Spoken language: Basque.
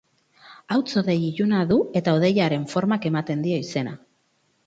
Hauts-hodei iluna du, eta hodeiaren formak ematen dio izena.